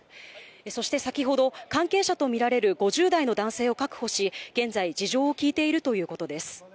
そして先ほど、関係者と見られる５０代の男性を確保し、現在、事情を聴いているということです。